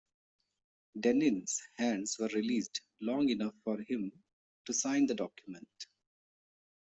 Dennin's hands were released long enough for him to sign the document.